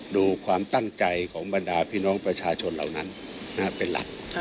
ดูความตั้งใจของบรรดาพี่น้องประชาชนเหล่านั้นเป็นหลัก